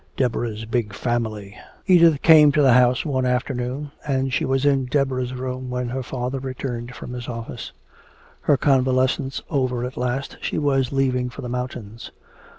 Deborah's big family! Edith came to the house one afternoon, and she was in Deborah's room when her father returned from his office. Her convalescence over at last, she was leaving for the mountains.